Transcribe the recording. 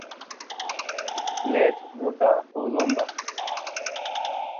লেজ মোটা ও লম্বা।